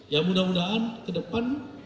ya mudah mudahan kedepan